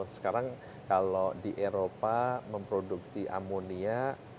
sekarang kalau di eropa memproduksi amonia